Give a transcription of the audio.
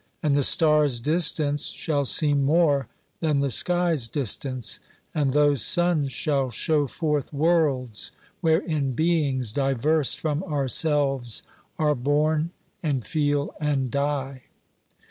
And the stars' distance shall seem more than the sky's distance, and those suns shall show forth worlds wherein beings diverse from ourselves are born and feel and die.